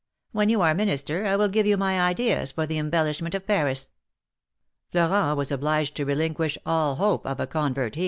When you are Minister, I will give you my ideas for the embellishment of Paris." Elorent was obliged to relinquish all hope of a convert THE MARKETS OF PARIS.